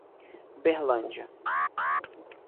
Uberlândia